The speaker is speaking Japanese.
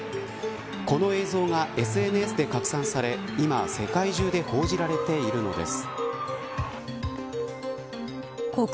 この映像がＳＮＳで拡散され今、世界中で報じられているのです。